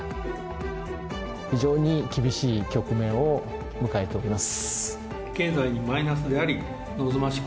非常に厳しい局面を迎えております。